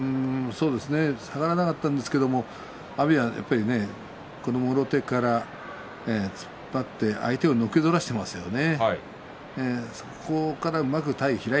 下がらなかったんですけれど阿炎はもろ手から突っ張って相手をのけぞらせていますよね。